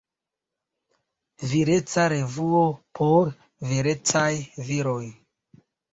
Vireca revuo por virecaj viroj.